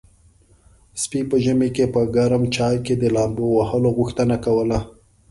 سپي په ژمي کې په ګرم چای کې د لامبو وهلو غوښتنه کوله.